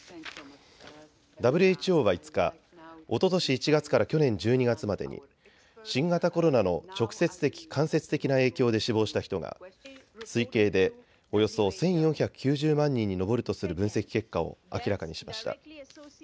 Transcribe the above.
ＷＨＯは５日、おととし１月から去年１２月までに新型コロナの直接的、間接的な影響で死亡した人が推計でおよそ１４９０万人に上るとする分析結果を明らかにしました。